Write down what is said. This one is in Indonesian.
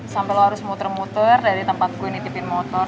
sampai lu harus muter muter dari tempat gue nitipin motor